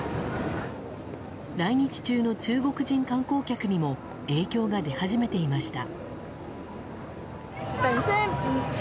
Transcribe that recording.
来日中の中国人観光客にも影響が出始めていました。